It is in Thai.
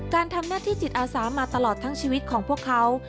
การทำหน้าที่จิตอาสามาตลอดทั้งชีวิตของพวกเขา